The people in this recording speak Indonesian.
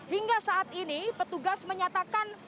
hingga saat ini petugas menyatakan